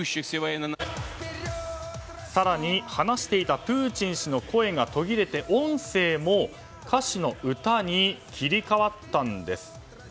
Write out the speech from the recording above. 更に話していたプーチン氏の声が途切れて音声も歌手の歌に切り替わったんです。